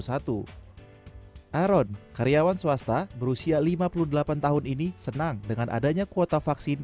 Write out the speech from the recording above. aron karyawan swasta berusia lima puluh delapan tahun ini senang dengan adanya kuota vaksin